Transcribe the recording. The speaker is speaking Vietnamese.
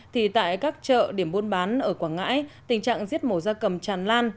thì tại các chợ điểm buôn bán ở quảng ngãi tình trạng giết mổ da cầm tràn lan